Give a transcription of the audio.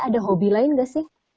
ada hobi lain nggak sih